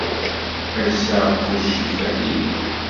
Ass-a kullec ifat-iyi.